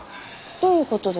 どういうことですか？